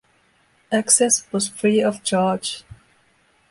Access was free of charge.